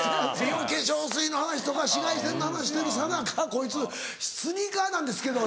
化粧水の話とか紫外線の話してるさなかこいつ「スニーカーなんですけど」